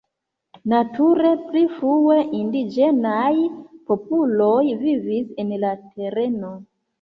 Nature pli frue indiĝenaj popoloj vivis en la tereno.